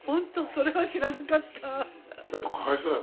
それは知らなかった。